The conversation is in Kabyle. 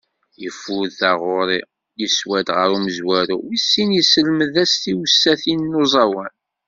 Yeffud taγuṛi yeswa-d γer umezwaru, wis sin yesselmed-as tiwsatin n uẓawan.